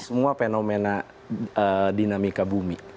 semua fenomena dinamika bumi